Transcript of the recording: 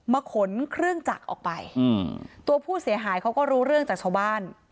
ขนเครื่องจักรออกไปตัวผู้เสียหายเขาก็รู้เรื่องจากชาวบ้าน